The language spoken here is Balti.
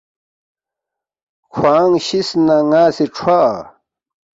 کھوانگ شِس نہ ن٘ا سی کھروا